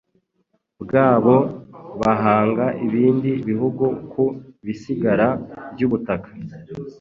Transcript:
bwabo bahanga ibindi bihugu ku bisigara by’ubutaka